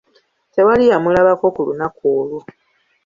Tewali yamulabako ku lunaku olwo.